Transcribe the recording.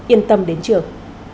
yên tâm đến trường